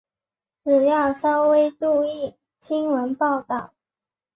只要稍微注意新闻报导